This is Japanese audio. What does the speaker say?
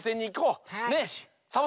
ねっ。